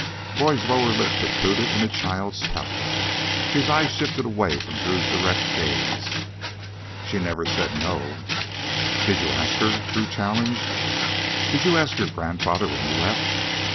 Boyd's lower lip protruded in a child's pout. His eyes shifted away from Drew's direct gaze. "She never said No " "Did you ask her?" Drew challenged. "Did you ask your grandfather when you left?"